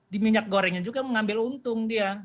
di minyak gorengnya juga mengambil untung dia